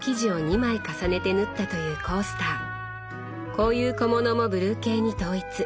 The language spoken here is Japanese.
こういう小物もブルー系に統一。